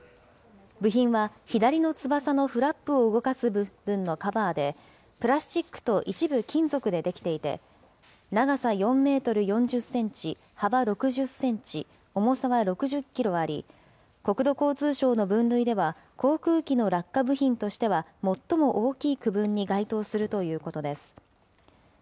部品は左の翼のフラップを動かす部分のカバーで、プラスチックと一部金属で出来ていて、長さ４メートル４０センチ、幅６０センチ、重さは６０キロあり、国土交通省の分類では、航空機の落下部品としては最も大きい区分に該当するということです。